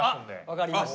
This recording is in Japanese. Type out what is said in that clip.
分かりました。